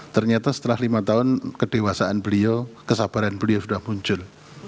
ternyata setelah lima tahun kedewasaan beliau kesabaran beliau sudah muncul